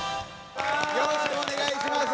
よろしくお願いします！